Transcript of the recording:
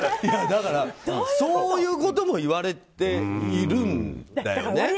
そういうことも言われているんだよね。